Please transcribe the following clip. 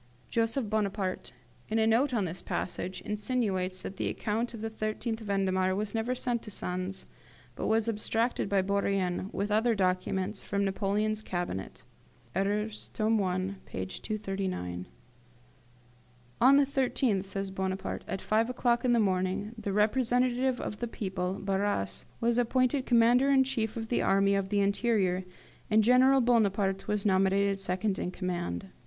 [Joseph Bonaparte, in a note on this passage, insinuates that the account of the 13th Vendemiaire was never sent to Sens, but was abstracted by Bourrienne, with other documents, from Napoleon's Cabinet (Erreurs, tome i. p. 239).] "On the 13th," says Bonaparte, "at five o'clock in the morning, the representative of the people, Barras, was appointed Commander in chief of the Army of the Interior, and General Bonaparte was nominated second in command.